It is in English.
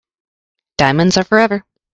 Diamonds are forever.